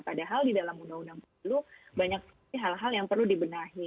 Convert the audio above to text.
padahal di dalam undang undang pemilu banyak sekali hal hal yang perlu dibenahi